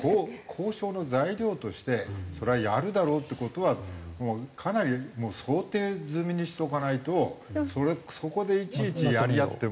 交渉の材料としてそれはやるだろうって事はかなり想定済みにしておかないとそこでいちいちやり合っても。